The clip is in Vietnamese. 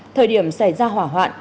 thời điểm xảy ra hỏa hoạn